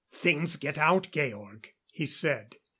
"Things get out, Georg," he said.